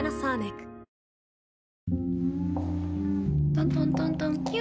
トントントントンキュ。